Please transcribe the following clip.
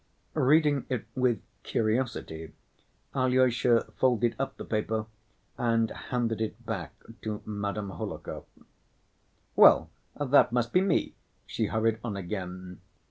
Reading it with curiosity, Alyosha folded up the paper and handed it back to Madame Hohlakov. "Well, that must be me," she hurried on again.